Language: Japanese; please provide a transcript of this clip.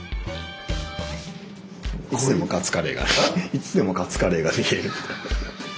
いつでもカツカレーが見える。